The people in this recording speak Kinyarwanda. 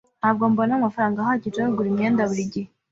Ntabwo mbona amafaranga ahagije yo kugura imyenda buri gihe.